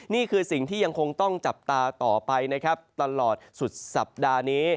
นี่คือสิ่งที่ยังคงต้องจับตาต่อไปนะครับตลอดสุดสัปดาห์นี้